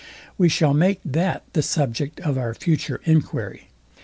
we shall make that the subject of our future enquiry.